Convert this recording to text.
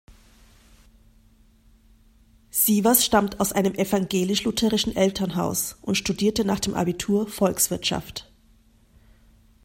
Sievers stammt aus einem evangelisch-lutherischen Elternhaus und studierte nach dem Abitur Volkswirtschaft.